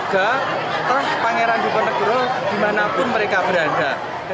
jaga terh pangeran di ponegoro dimanapun mereka berada